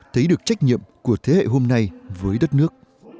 thấy được trách nhiệm của thế hệ hôm nay với đất nước